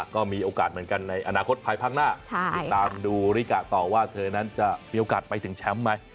ก็มีโอกาสเหมือนกันในอนาคตภายภาคหน้าติดตามดูริกะต่อว่าเธอนั้นจะมีโอกาสไปถึงแชมป์ไหม